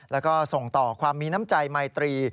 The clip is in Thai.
แล้วก็ส่งต่อความมีน้ำใจไมตรี